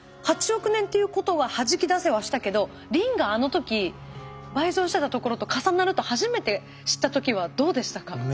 ８億年っていうことははじき出せはしたけどリンがあの時倍増してたところと重なると初めて知った時はどうでしたか？